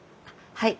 はい。